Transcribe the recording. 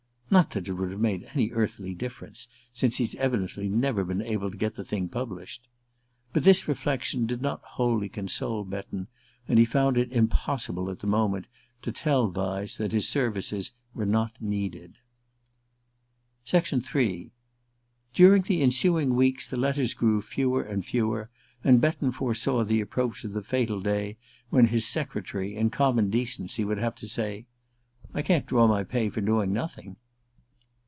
"Not that it would have made any earthly difference since he's evidently never been able to get the thing published." But this reflection did not wholly console Betton, and he found it impossible, at the moment, to tell Vyse that his services were not needed. III DURING the ensuing weeks the letters grew fewer and fewer, and Betton foresaw the approach of the fatal day when his secretary, in common decency, would have to say: "I can't draw my pay for doing nothing."